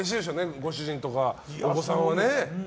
ご主人やお子さんはね。